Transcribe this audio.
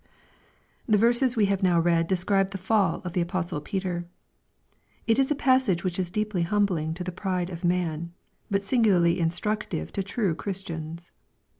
The verses we have now read describe the fall of the apostle Peter. — It is a passage which is deeply humbling to the pride of man, but singularly instructive to true Christians.